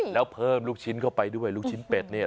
แล้วเพิ่มลูกชิ้นเข้าไปด้วยลูกชิ้นเป็ดเนี่ย